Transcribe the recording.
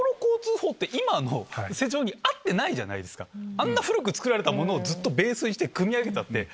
あんな古く作られたものをベースにして組み上げたって。